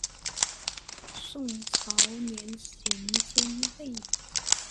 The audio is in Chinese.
宋朝咸淳年间为咸淳府。